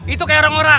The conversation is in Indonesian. itu kayak orang orang